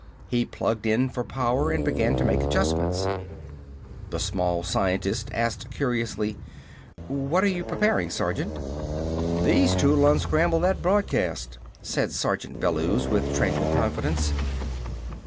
He plugged in for power and began to make adjustments. The small scientist asked curiously: "What are you preparing, Sergeant?" "These two'll unscramble that broadcast," said Sergeant Bellews, with tranquil confidence.